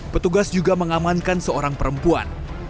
petugas juga mengamankan seorang perempuan